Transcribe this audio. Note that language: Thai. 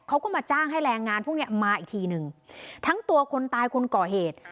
เขาก็มาจ้างให้แรงงานพวกเนี้ยมาอีกทีหนึ่งทั้งตัวคนตายคนก่อเหตุ